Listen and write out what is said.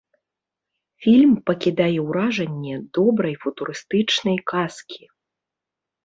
Фільм пакідае ўражанне добрай футурыстычнай казкі.